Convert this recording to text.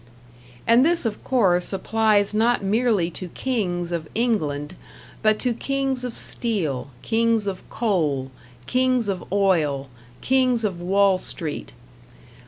And this, of course, applies not merely to kings of England, but to kings of Steel, kings of Coal, kings of Oil, kings of Wall Street.